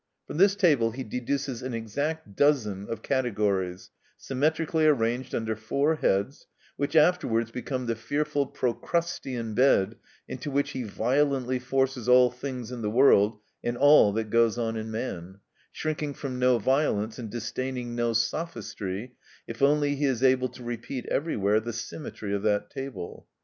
From this table he deduces an exact dozen of categories, symmetrically arranged under four heads, which afterwards become the fearful procrustean bed into which he violently forces all things in the world and all that goes on in man, shrinking from no violence and disdaining no sophistry if only he is able to repeat everywhere the symmetry of that table.